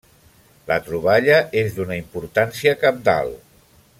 La troballa és d'una importància cabdal.